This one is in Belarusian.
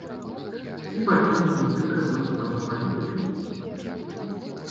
Ці павінен музыка быць па-за палітыкай?